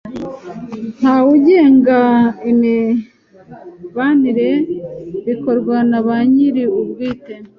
nta wugenga imibanire bikorwa na banyiri ubwite